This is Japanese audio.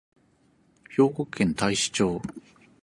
兵庫県太子町